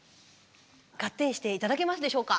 ガッテンして頂けますでしょうか？